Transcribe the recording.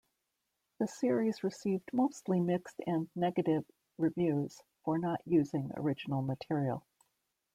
The series received mostly mixed and negative reviews for not using original material.